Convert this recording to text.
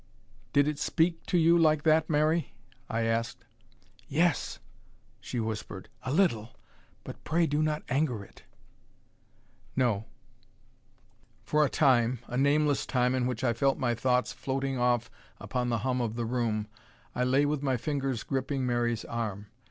"Did it speak to you like that, Mary?" I asked. "Yes," she whispered. "A little. But pray do not anger it." "No." For a time a nameless time in which I felt my thoughts floating off upon the hum of the room I lay with my fingers gripping Mary's arm.